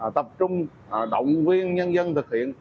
tập trung động viên nhân dân thực hiện